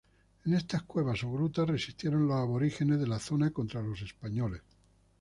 En estas cuevas o grutas resistieron los aborígenes de la zona contra los españoles.